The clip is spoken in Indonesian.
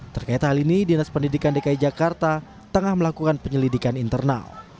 terkait hal ini dinas pendidikan dki jakarta tengah melakukan penyelidikan internal